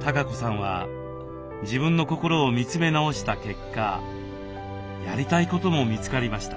たかこさんは自分の心を見つめ直した結果やりたいことも見つかりました。